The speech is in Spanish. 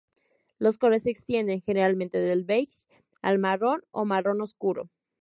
Los colores se extienden generalmente desde el beige al marrón o marrón oscuro.